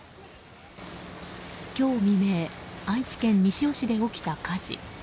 今日未明愛知県西尾市で起きた火事。